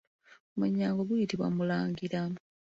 Omwennyango guyitibwa Mulangira.